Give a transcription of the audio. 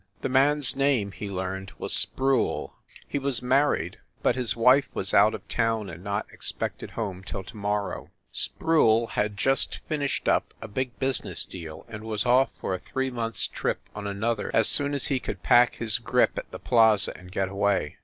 The man s name, he learned, was Sproule. He was married, but his wife was out of town and not expected home till to morrow. Sproule had just finished up a big busi ness deal, and was off for a three months trip on another as soon as he could pack his grip at the Plaza and get away.